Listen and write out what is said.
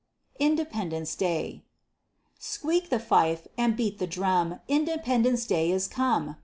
INDEPENDENCE DAY Squeak the fife, and beat the drum, Independence day is come!